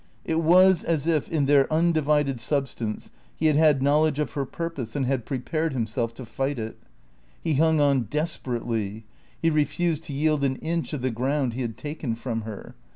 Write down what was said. It was as if, in their undivided substance, he had had knowledge of her purpose and had prepared himself to fight it. He hung on desperately; he refused to yield an inch of the ground he had taken from her.